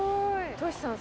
トシさん